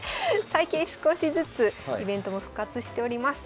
最近少しずつイベントも復活しております。